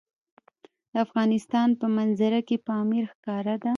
د افغانستان په منظره کې پامیر ښکاره ده.